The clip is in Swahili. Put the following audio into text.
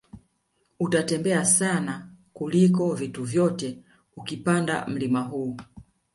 Utatembea sana kliko vitu vyote ukipanda mlima huu